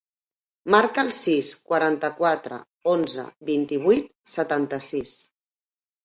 Marca el sis, quaranta-quatre, onze, vint-i-vuit, setanta-sis.